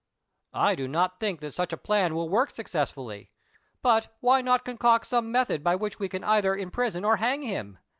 " I do not think that such a plan will work successfully ; but, why not concoct some metliod by which we can either imprison or hang him